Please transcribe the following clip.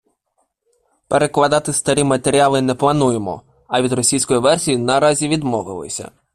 Перекладати старі матеріали не плануємо, а від російської версії наразі відмовилися.